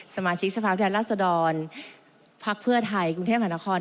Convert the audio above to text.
สมาชิกภาคแทนราชฎรภักดิ์เพื่อไทยกรุงเทศหันคล